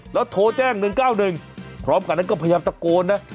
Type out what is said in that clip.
แล้วโทรแจ้ง๑๙๑พร้อมกันนั้นก็พยายามตะโกนนะ